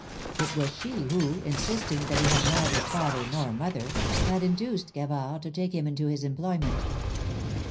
It was she who, insisting that he had neither father nor mother, had induced Gavard to take him into his employment.